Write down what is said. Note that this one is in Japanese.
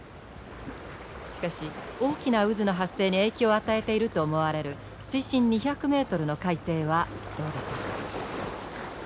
しかし大きな渦の発生に影響を与えていると思われる水深２００ｍの海底はどうでしょうか？